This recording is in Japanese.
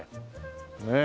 ねえ。